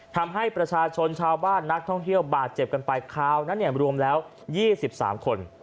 ทำให้ประชาชนชาวบ้านนักท่องเที่ยวบาดเจ็บกันไปคราวนั้นรวมแล้ว๒๓คน